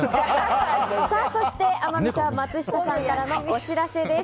そして天海さん松下さんからのお知らせです。